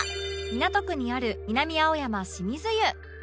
港区にある南青山清水湯